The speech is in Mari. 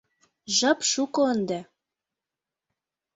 Жап шуко ынде.